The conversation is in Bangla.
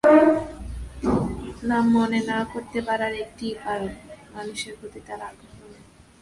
নাম মনে না করতে পারার একটিই কারণ-মানুষের প্রতি তাঁর আগ্রহ নেই।